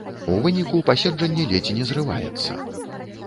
У выніку паседжанне ледзь не зрываецца.